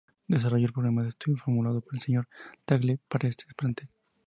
Desarrolló el programa de estudios formulado por el señor Tagle para ese plantel.